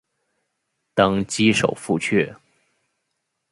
当赍首赴阙。